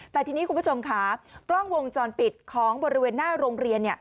แต่ทีนี้คุณผู้ชมค่ะกล้องวงจรปิดของบริเวณหน้าโรงเรียน